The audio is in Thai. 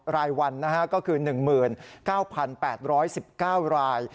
รายวันก็คือ๑๙๘๑๙ราย